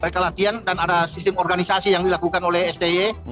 delapan belas dua puluh lima mereka latihan dan ada sistem organisasi yang dilakukan oleh stj